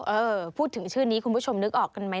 เออพูดถึงชื่อนี้คุณผู้ชมนึกออกกันไหม